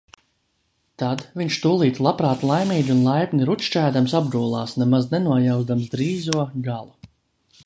Tad viņš tūlīt labprāt laimīgi un laipni rukšķēdams apgūlās, nemaz nenojauzdams drīzo galu.